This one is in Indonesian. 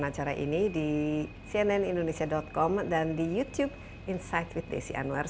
anda juga dapat menyaksikan acara ini di cnnindonesia com dan di youtube insight bdc anwar